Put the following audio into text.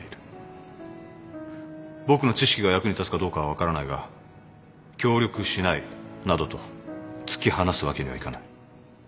僕の知識が役に立つかどうかは分からないが協力しないなどと突き放すわけにはいかない。